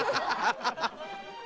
ハハハハ！